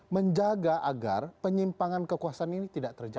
menjaga agar penyimpangan kekuasaan ini tidak terjadi